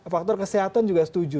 faktor kesehatan juga setuju